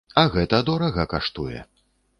А гэта дорага каштуе.